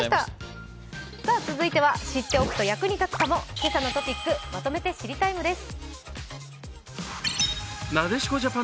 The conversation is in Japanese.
続いては知っておくと役に立つかも「けさのトピックまとめて知りＴＩＭＥ，」です。